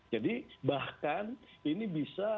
jadi bahkan ini bisa